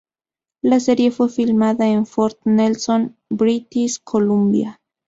La serie fue filmada en Fort Nelson, British Columbia.